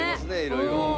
色々。